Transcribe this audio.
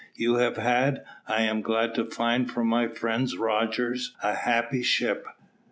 "You have had, I am glad to find from my friend Rogers, a happy ship.